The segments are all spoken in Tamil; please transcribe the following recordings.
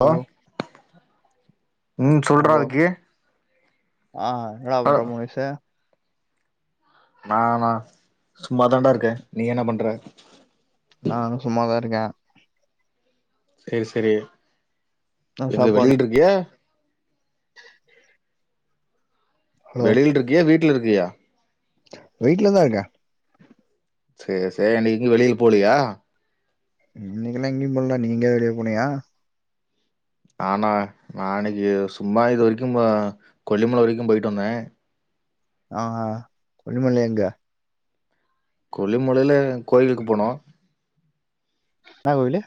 ஹலோ ம் சொல்றா ஹலோ அதுக்கு ஆ என்னடா ஹலோ பண்ற மகேஸூ நானா சும்மா தாண்டா இருக்கே நீ என்ன பண்ற நானு சும்மாதா இருக்கே செரி செரி என்ன எங்க சாப்பாடு வெளில இருக்கியா [inaudible] ஹலோ வெளில இருக்கியா வீட்டில இருக்கியா வீட்ல தா இருக்கே செரி செரி இன்னிக்கி எங்கயு வெளியில போலியா இன்னக்கி எல்லா எங்கயு போகல நீ எங்கேயாது வெளிய போனியா ஆனா நா இன்னைக்கி சும்மா இது வரைக்கும் கொல்லிமலை வரைக்கும் போய்ட்டு வந்தே ஆ கொல்லிமலை எங்க கொல்லிமலையில கோயிலுக்கு போனோ என்னா கோயிலு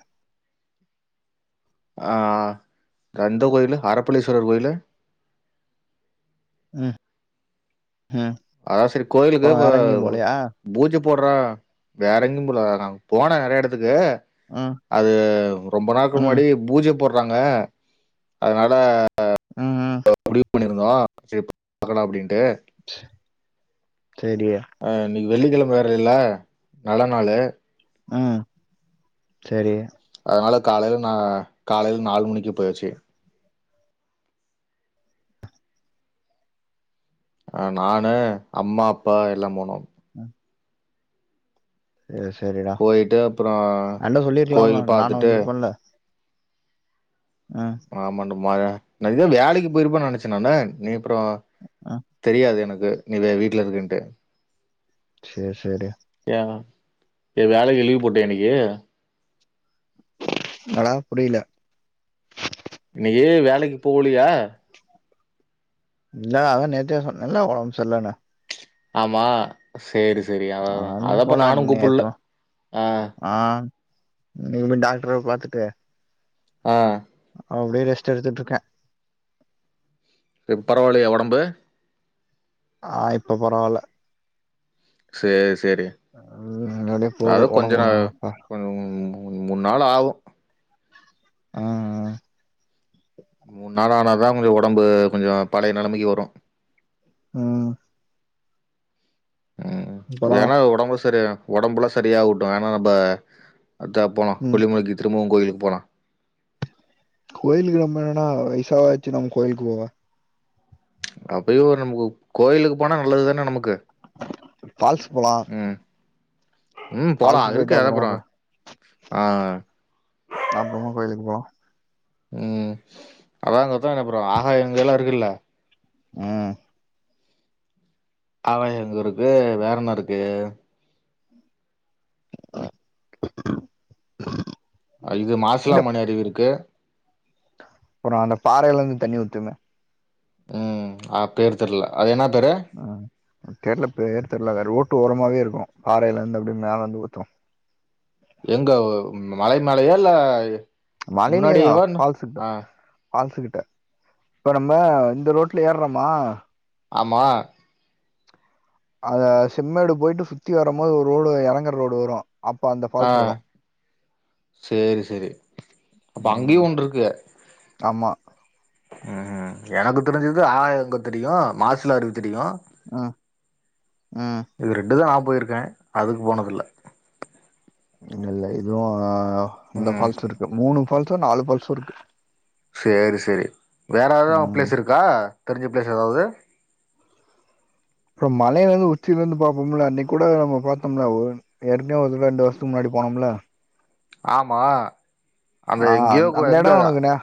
ஆ கந்த கோயிலு அரப்பளீஸ்வரர் கோயிலு ம் ம் அதான் சரி கோயிலுக்கு அப்புறோ வேற எங்கேயு இ போலையா பூஜை போடுற வேற எங்கயு போலநா போனே நெறைய எடத்துக்கு ம் அது ரொம்ப நாக்கு ம் முன்னாடி பூஜை போடுறாங்க அதனால ஆ ம் ம் முடிவு பண்ணியிருந்தோ சரி பாக்கலாம் அப்டின்ட்டு சரியா ஆ இன்றைக்கி வெள்ளிக்கிழம்ப வேரல நல்ல நாளு ம் சரி அதனால காலையில நா காலையில நாலு மணிக்கே போயாச்சு ஆ நானு அம்மா அப்பா எல்லா போனோம் ம் ஏ சரிடா போயிட்டு அப்புறோ கோயில் நானு பாத்துட்டு ஆ ஆமாண்டமா நா நா இதா வேலைக்கு போயிருப்ப நினைச்சே நட நீ அப்புறோ ம் தெரியாது எனக்கு நீவே வீட்டுல இருக்குன்ட்டு செரி செரி ஏ ஏ வேலைக்கி லீவ் போட்டியா இன்னக்கி என்னடா புரில இன்னிக்கி வேலைக்கு போலியா இல்லடா அதா நேத்தே சொன்னேல ஒடம்சர்ல்லனு ஆமா சேரி சேரி அதா ஆனா அதா இன்னைக்கு அதாப்பா போல நானு கூப்புல நேத்து ஆ ஆ இன்னக்கி போய் டாக்ட்ரபோய் பாத்துட்டு ஆ அப்டே ரெஸ்ட் எடுத்துட்ருக்கே இப் பரவால்லயா ஒடம்பு ஆ இப்ப பரவால்ல சேர் சேரி ம் நல்லபடியா போது ஒடம்புஒன்னொன்னாப்பா கொஞ்சொ மூன் மூன்நாள் ஆவு ம் ம் மூன் நாள் ஆனா தா கொஞ்சொ ஒடம்பு கொஞ்சொ பழைய நெலமைக்கு வரு ம் ம் அப்பறோ வேணா ஒடம்பு சரியா ஒடம்புல்லா சரியாவுட்டு வேணா நம்ப அத்தா போலா ம் கொல்லிமலைக்கி திரும்பவு கோய்லுக்கு போலா கோய்லுக்கு நம்ம ஏனா வய்சாவாச்சு நம்ம கோய்லுக்கு போவ அப்பயு ஒரு நமக்கு கோயிலுக்கு போனா நல்லது தானே நமக்கு ஃபால்ஸ் போலா ம் ம் போலா ஃபால்ஸ் அது இருக்கே போயிட்டு அப்றமா அதப்புறோ கோ ஆ அப்றமா கோய்லுக்கு போவோ ம் அதா அங்க [unintelligible] ஆகாய கங்கைலா இருக்குல்ல ம் ஆகாய கங்கருக்கு வேறென்னருக்கு அ இது இந்த மாசிலாமணி அருவி இருக்கு அப்றோ அந்த பாறைலந்து தண்ணி ஊத்துமே ம் ஆ பேரு தெர்ல அது என்னா பேரு ஆ தெர்ல பேர் தெர்ல ரோட்டோரமாவே இருக்கு பாறைலந்து அப்டே மேலெந்து ஊத்து எங்க மலைமேலயா இல்ல மலைலே தா முன்னாடியேவா என்ன ஃபால்ஸுகிட்ட ஆ ஃபால்ஸு கிட்ட இப்ப நம்ப இந்த ரோட்ல ஏர்றமா ஆமா அத செம்மேடு போய்ட்டு சுத்தி வரம்போது ஒரு ரோடு எறங்ற ரோடு வரு ஆ சேரி சேரி அப்ப அங்கயு ம். ஒன்ட்ருக்கு ஆமா ம் எனக்கு தெரிஞ்சது ஆகாய கங்க தெரியு மாசிலா அருவி தெரியு ம் ம் இது ரெண்டு தா நா போய்ருக்கே அதுக்கு போனதில்ல இல்லெல்ல இதுவு இந்த ம் ஃபால்ஸுருக்கு மூனு ஃபால்ஸோ நாலு ஃபால்ஸோருக்கு சேரி சேரி வேற எது அங்க பிளேஸிருக்கா தெரிஞ்ச பிளேஸ் எதாவ்து அப்றோ மலைலெந்து உச்சிலெந்து பாப்போம்ல அன்னைக் கூட நம்ம பாத்தோம்ல ஒ ஏற்கனே ஒரு தடவ ரெண்டு வர்ஷத்துக்கு முன்னாடி போனம்ல ஆமா அந்த ஆ எங்கியோ கோ அந்த இடம் எங்கதா உனக்கு ஞா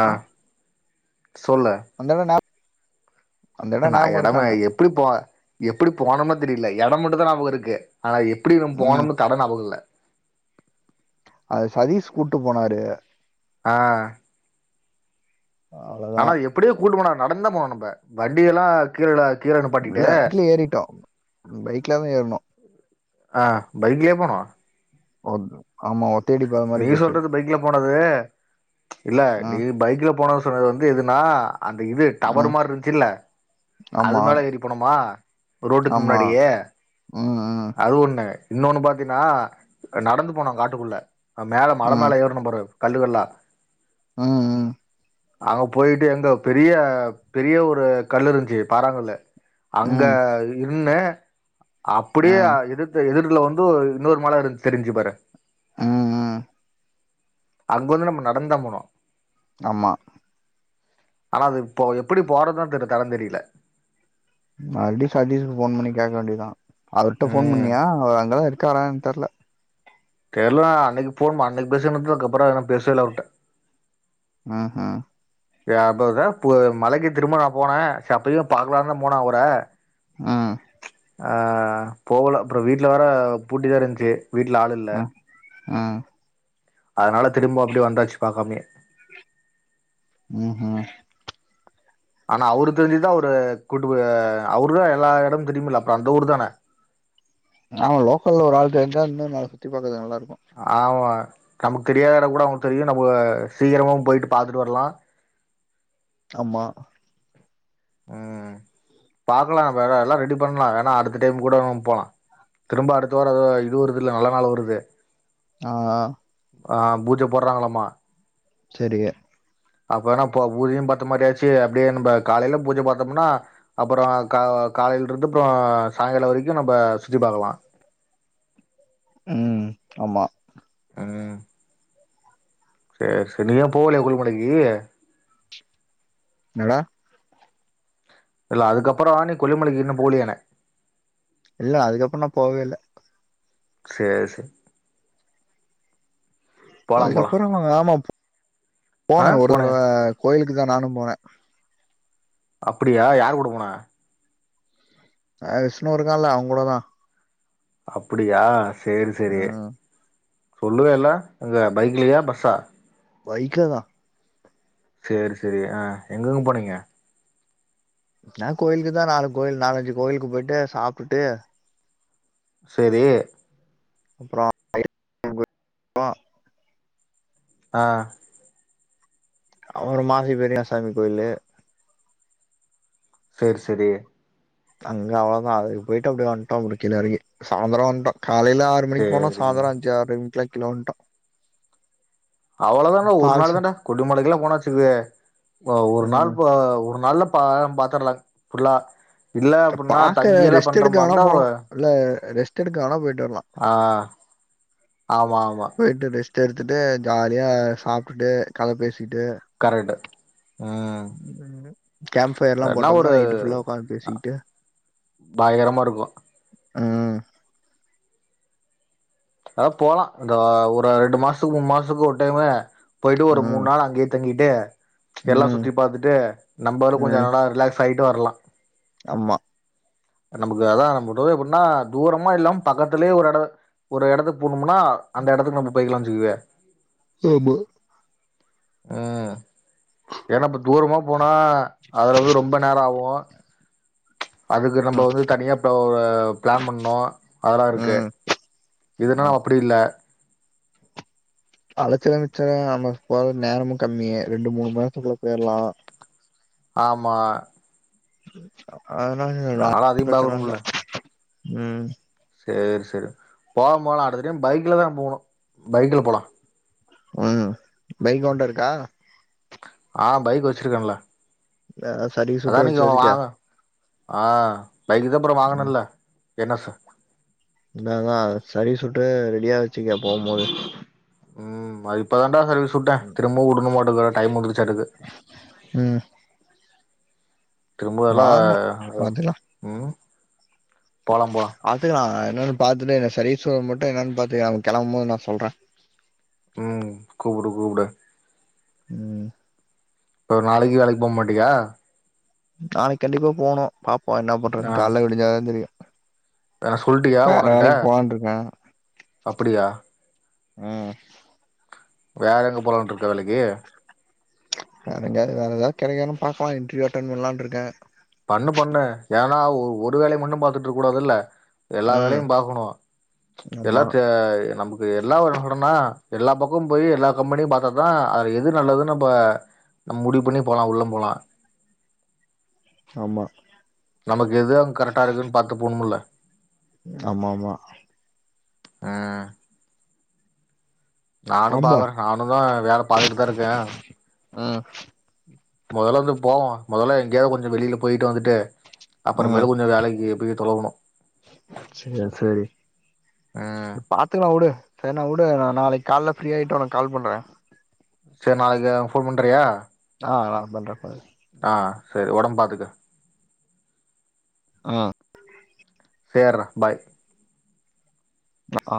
ஆ சொல்லு அந் [unintelligible] நா எடமா எப்டி போ எப்டி போனோம்னே தெரியல எடோ மட்டுந்தா ஞாபகோ இருக்கு ஆனா எப் டி நம்ம ம். போனோம்னு தடோ ஞாபகோ இல்ல அது சதீஷ் கூட்டு போனாரு ஆ ஆனா அவ்வளோதான். எப்டியோ கூப்டு போனாரு நடந்துதா போனு நம்ம வண்டியெல்லா கீழனா கீழதா இல்ல நிப்பாட்டிட்டு பைக்ல ஏறிட்டோம். பைக்ல தான் ஏறணும். ஆ பைக்லே போனோ ஒ ஆமா ஒத்தையடி பாதை மாரி நீ போச்சு. சொல்றது பைக்ல போனது இல்ல நீ ம். பைக்ல போனது அது வந்து எதுனா அந்த இது ம். டவர் மாரி இருந்துச்சுல்ல அது ஆமா மேலே ஏறி போனுமா ரோட்டுக்கு ஆமா முன்னாடியே ம் ம் அது ஒன்னு இன்னோனு பாத்தீங்கனா நடந்து போனோ காட்டுக்குள்ள மேல மல ம் மேல ஏறணு பாரு கல்லுகல்லா ம் அங்க போயிட்டு எங்க பெரிய பெரிய ஒரு கல்லு இருந்துச்சு பாராங்கல்லு அங்க ம் இருன்னு அப்டியே ம் எதுக் எதிர்ல வந்து இன்னோரு மல இருந் தெரிஞ்சு பாரு ம் ம் அங்க வந்து நம்ம நடந்துதா போனு ஆமா ஆனா அது இப்போ எப்டி போறதுன்னு தெரிய தடோ தெரியல மறுபடியு சதீஷ்கு ஃபோன் பண்ணி கேக்க வேண்டியதா அவர்ட போன் ம் பண்ணியா அவர் அங்கதா இருக்காரானு தெர்ல தெர்லடா அன்னைக்கு போன் அன்னைக்கு பேசுது அப்புறம்னா பேசவே இல்ல அவர்ட ம் ம் அப்ப போ மலைக்கு திரும்ப நா போனே செரி அப்பயு பாக்கலானுதா போன அவர ம் ஆ போகல அப்றோ வீட்ல வேற பூட்டிதா இருந்துச்சு வீட்ல ஆள் இல்ல ம் ம் அதனால திரும்ப அப்டியே வந்தாச்சு பாக்காமயே ம் ம் ஆனா அவரு தெரிஞ்சுதா அவரு கூட்டு அவரு தா எல்லா எடமு தெரியும்ல அப்புற அந்த ஊர் தானே நாங்க லோக்கல்ல ஒரு ஆள் இருந்தா இன்னு நல்லா சுத்தி பாத்துருக்கலா நல்லா இருக்கு ஆமா நமக்கு தெரியாத எடங்கூட அவங்களுக்கு தெரியு நம்ம சீக்கிரமாகவு போயிட்டு பாத்துட்டு வர்லா ஆமா ம் பாக்கலா வேற எல்லா ரெடி பண்லா வேன்னா அடுத்த டைம் கூட ம் போலாம் திரும்ப அடுத்த வாரோ எதோ இது வருதுல்ல நல்ல நாள் வருது ஆ ஆ ஆ பூஜ போட்றாங்களாமா செரி அப்பனா ப பூஜையு பாத்த மாரியாச்சு அப்டியே நம்ப காலையில பூஜ பத்தோம்னா அப்புறோ கா காலையில இருந்து அப்புறோ சாயங்காலோ வரைக்கு நம்ம சுத்தி பாக்கலா ம் ஆமா ம் சேரி சேரி நீ ஏ போகலைய கொல்லிமலைக்கு என்னடா இல்ல அதுக்கு அப்றோ நீ கொல்லிமலைக்கு இன்னு போலியானே இல்ல அதுக்கு அப்றோ நா போகவே இல்ல சேர் சே அதுக்கு அப்றோ ஆமா ஆ போனே ஒரு போனயா தடவ கோயிலுக்குதா நானு போனே அப்டியா யாரு கூட போன விஷ்ணு இருக்கால அவ கூடதா அப்டியா சேரி சேரி ம் சொல்லவே இல்ல அங்க பைக்லியா பஸ்ஸா பைக்லதா சேரி சேரி அ எங்கெங்க போனீங்க என்ன கோயிலுக்குதா நாலு கோயில் நாலஞ்சு கோயிலுக்கு பொய்ட்டு சாப்ட்டுட்டு சேரி அப்றோ அ அப்றோ மாசி பெரியசாமி கோயிலு சேர் சேரி அங்க அவ்ளோதா அதுக்கு பொய்ட்டு அப்டியே வன்ட்டோ அப்டி கீழ எறங்கி சாய்ந்ரோ வன்ட்டோ காலையில ஆறு மணிக்கு போனோ சேரி சாந்ரோ அஞ்சு ஆற்றைக்லா கீழ வன்ட்டோ அவ்ளோ தாண்ட ஒரு நாள் பால்சா தான்டா கொல்லிமலைக்குல்லா போனாச்சுக்க ஒரு நாள் ம் ஒரு நாள்ல பாத்துர்லா ஃபுல்லா இல்ல அப்டின்னா பாக்க தங்கியெல்லா ரெஸ்ட் எடுக்க வேணா பண்றமாருந்தா போலா இல்ல ரெஸ்ட் எடுக்க வேணா பொய்ட்டு வர்லா அ ஆமா ஆமா போயிட்டு ரெஸ்ட் எடுத்துட்டு ஜாலியா சாப்ட்டுட்டு கத பேசிட்டு கரெக்ட் ம் கேம்ப் ஃயர்ல்லா போட்டோம்னா நைட்டு புல்லா உக்காந்து பேசிக் பயங்ரமா இருக்கு ம் அது போலா இந்த ஒரு ரெண்டு மாசத்துக்கு மூணு மாசத்துக்கு ஒரு டைமு பொயிட்டு ஒரு மூணு ம் நாள் அங்கயே தங்கிட்டு எல்லா ம் சுத்தி பாத்துட்டு நம்பளு கொஞ்சோ ம் நல்லா ரிலாக்ஸ் பண்ட்டு வர்லா ஆமா நமக்கு அதா நம்ம டூர்ரே எப்டின்னா தூரமா இல்லாம பக்கத்துலேயே ஒரு எடோ ஒரு எடத்துக்கு போணும்னா அந்த எடத்துக்கு நம்ம போய்க்லாஞ்சுக்குவே ஆமா அ ஏனா இப்ப தூரமா போனா அல வந்து ரொம்ப நேரோ ஆகு இதுக்கு நம்ம வந்து தனியா ஒரு ப்ளான் பண்ணு அதெல்லா இருக்கு ம் ஆமா இததுனாலா அப்டி இல்ல அலச்சலு மிச்சோ நம்ம போற நேரமு கம்மி ரெண்டு மூணு மண்நேரத்துக்குள்ள பொயிர்லா ஆமா அதனாலதா சொல்றே அதனால அது அதையு பிரச்சன இல்ல ம் சேர் சேரி போல போலா அடுத்த டைம் பைக்லதா போணு பைக்ல போலா ம் பைக் ஓண்ட இருக்கா அ பைக் வச்சிருக்கேன்ல ஆ சரி அதா நீங்கோ அங்க வாங்க ஆ பைகுகு அப்பறோ வாங்கனல்ல என்னச இன்னதா சர்வீஸ் சுட்டு ரெடியா வெச்சுக போம்மோது ம் அரிப் இப்பதான்டா சர்வீஸ் வுட்டே திரும்பவு வுடுனுமாட்டுதுறா டைம் முடிஞ்சிச்சாட்டகு ம் திரும்புதலா வாங்கணு பாத்துக்கலா ம் போலாம் போலா ஆத்துக்கலா என்னனு பாத்துட்டு எனக் சர்வீஸ் வுர மட்டு என்னன் பாத்துக நமக் கெளம்போது நா சொல்றே ம் கூப்புடு கூப்டு ம் ஒரு நாளைகி வேலைக் போம்மாட்டிகா நாளைக் கண்டிப்பா போணு பாப்போ என்னாப் பண்றன்னு கால்ல விடிஞ்சாதா தெரியு வேன சொல்ட்டியா வேற ஓனருட்ட வேலைக்கு போலான்ட்டு இருக்கே அப்புடியா ம் வேற எங்க போலான்ட்ருக்க வேலக்கி வேறெங்கியாது வேறெதாத் கெடைக்கிதானு பாக்கலா இன்ட்ரியூ அட்டன் பண்லான்ருக்கே பண்ணு பண்ணு ஏனா ஒ ஒரு வேலைய மட்டும் பாத்துட்ருக் கூடாதுல்ல எல்லா ம் வேலையும் பாக்கணு ஆமா எல்லாத்தே நமக்கு எல்லா [unintelligible] எல்லாப் பக்கமும் போயி எல்லா கம்பெனியும் பாத்தாதா அத் அ எது நல்லதுன் நம்ப நம் முடிவு பண்ணி போலா உள்ளம்போலா ஆமா நமக்கு எது அங் கரெட்டா இருக்குன் பாத்து போணுமுல்ல ஆமா மா அ நானும் ஆமா பாகறே நானுந்தா வேல பாத்துகிட்டுதா இருகே ம் மொதல வந்து போவோ மொதல எங்கியாவ் கொஞ்சோ வெளிலப் போயிட்டு வந்துட்டு அப்பறமேலு கொஞ்சோ வேலைகி போய்த் தொலவுணு சேர் செரி ம் ப் பாத்துகலா வுடு சேர் நா வுடு நா நாளைக் கால்ல ஃப்ரீ ஆயிட்டு வுனக் கால் பண்றே சேர் நாளைகே ஃபோன் பண்றியா ஆ நா பண்றே பறே ஆ செரி ஒடம் பாத்துக அ சேர்றா பாய் அ ஆ